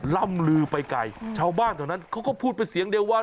ล่ำลือไปไกลชาวบ้านเท่านั้นเขาก็พูดเป็นเสียงเดียวว่า